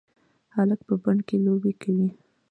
هلک په بڼ کې لوبې کوي.